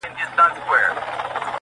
په دربار کي یوه لویه هنګامه وه!